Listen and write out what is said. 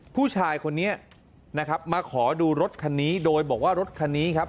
ผู้ชายคนนี้นะครับมาขอดูรถคันนี้โดยบอกว่ารถคันนี้ครับ